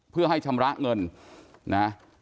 เพื่อให้ชำระเงินนะ